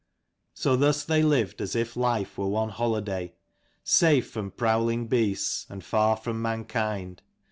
So thus they lived as if life were one holiday : safe from prowling beasts and far from man kind.